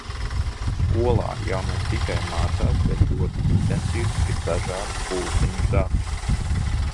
Skolā jau ne tikai mācās, bet ļoti intensīvs ir dažādu pulciņu darbs.